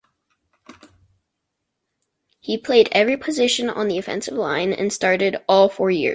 He played every position on the offensive line and started all four years.